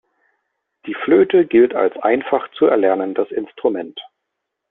Die Flöte gilt als einfach zu erlernendes Instrument.